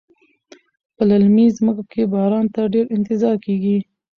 په للمي ځمکو کې باران ته ډیر انتظار کیږي.